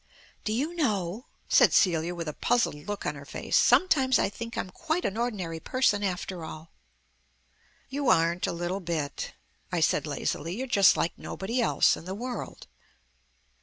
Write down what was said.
"Do you know," said Celia with a puzzled look on her face, "sometimes I think I'm quite an ordinary person after all." "You aren't a little bit," I said lazily; "you're just like nobody else in the world."